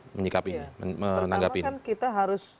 menanggapi ini pertama kan kita harus